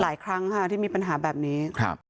หลายครั้งค่ะที่มีปัญหาแบบนี้